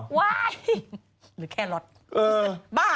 ว้ายยยยยยหรือแค่รถเอ้อบ้า